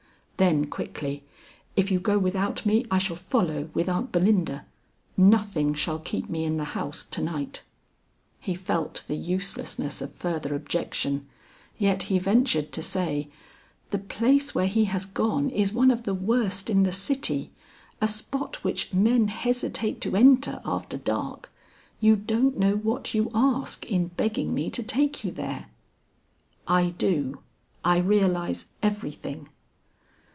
Then quickly, "If you go without me I shall follow with Aunt Belinda. Nothing shall keep me in the house to night." He felt the uselessness of further objection, yet he ventured to say, "The place where he has gone is one of the worst in the city; a spot which men hesitate to enter after dark. You don't know what you ask in begging me to take you there." "I do, I realize everything."